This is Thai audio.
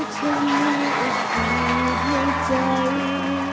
ฉันรู้เธอมีอีกกว่าเพียงใจ